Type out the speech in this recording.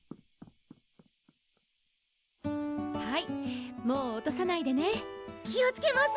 はいもう落とさないでね気をつけます！